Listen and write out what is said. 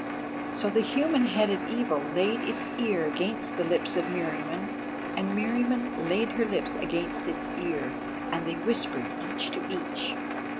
So the human headed Evil laid its ear against the lips of Meriamun, and Meriamun laid her lips against its ear, and they whispered each to each.